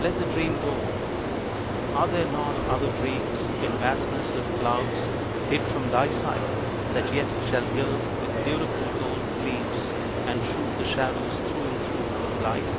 Let the dream go. Are there not other dreams In vastness of clouds hid from thy sight That yet shall gild with beautiful gold gleams, And shoot the shadows through and through with light?